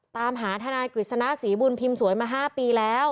ตามหาทนายกฤษณะศรีบุญพิมพ์สวยมา๕ปีแล้ว